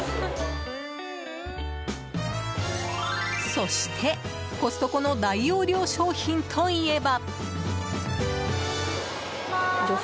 そして、コストコの大容量商品といえば。